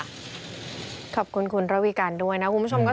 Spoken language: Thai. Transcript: ขอบคุณคุณระวิการด้วยนะ